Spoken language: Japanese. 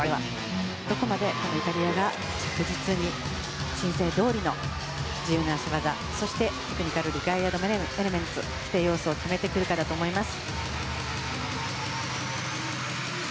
どこまでイタリアが着実に申請どおりの自由な脚技そしてテクニカルエレメンツ規定要素を決めてくるかだと思います。